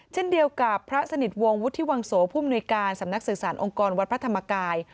เช่นเดียวกับพระสนิทวงศ์วุฒิวังโสผู้มนุยการสำนักสื่อสารองค์กรวัดพระธรรมกาย